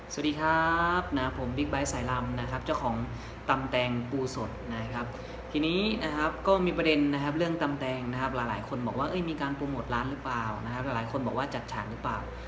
สวัสดีครับนะผมบิ๊กไบท์สายลำนะครับเจ้าของตำแตงปูสดนะครับทีนี้นะครับก็มีประเด็นนะครับเรื่องตำแตงนะครับหลายคนบอกว่ามีการโปรโมทร้านหรือเปล่านะครับหลายคนบอกว่าจัดฉากหรือเปล่า